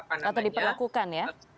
atau diperlakukan ya